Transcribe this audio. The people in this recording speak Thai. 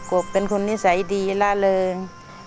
กบเป็นคนนิสัยดีล่าเริง